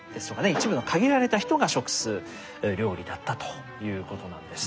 一部の限られた人が食す料理だったということなんです。